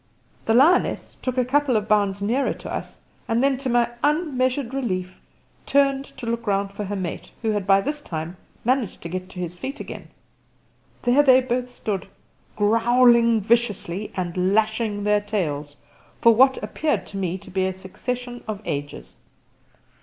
The lioness took a couple of bounds nearer to us, and then to my unmeasured relief turned to look round for her mate, who had by this time managed to get to his feet again. There they both stood, growling viciously and lashing their tails, for what appeared to me to be a succession of ages.